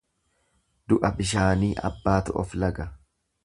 Du'a bishaanii abbaatu of laga.